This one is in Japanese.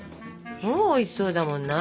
もうおいしそうだもんな。